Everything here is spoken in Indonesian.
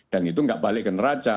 dan itu nggak balik ke neraca